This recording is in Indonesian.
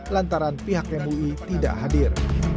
lantaran pihak mui tidak hadir